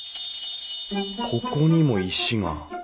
ここにも石が。